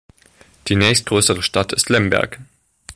Die nächstgrößere Stadt ist Lemberg.